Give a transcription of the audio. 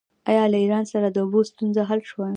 آیا له ایران سره د اوبو ستونزه حل شوې؟